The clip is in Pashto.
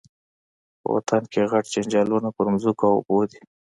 په وطن کي غټ جنجالونه پر مځکو او اوبو دي